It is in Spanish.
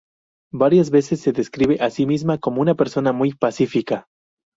Varias veces se describe a sí misma como una persona muy pacífica.